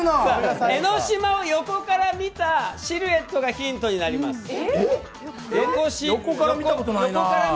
江の島を横から見たシルエットがヒントになります。